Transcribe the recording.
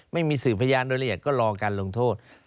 ไม่มีสื่อพยานโดยละเอียดก็รอการลงโทษ